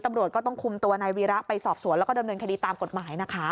ตำรวจก็ต้องคุมตัวนายวีระไปสอบสวนแล้วก็ดำเนินคดีตามกฎหมายนะคะ